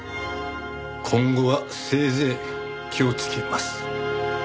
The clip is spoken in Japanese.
今後はせいぜい気をつけます。